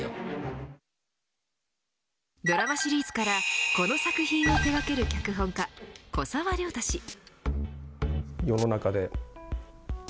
ドラマシリーズからこの作品を手掛ける脚本家、古沢良太氏。